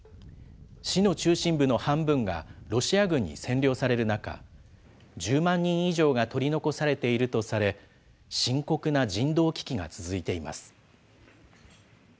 市の中心部の半分がロシア軍に占領される中、１０万人以上が取り残されているとされ、深刻な人道危機が続いています。